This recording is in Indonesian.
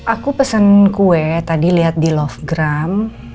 aku pesen kue tadi lihat di lovegram